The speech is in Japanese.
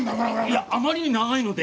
いやあまりに長いので。